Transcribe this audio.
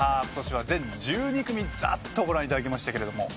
ことしは全１２組ざっとご覧いただきました。